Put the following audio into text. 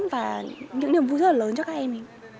và những niềm vui rất là lớn cho các em mình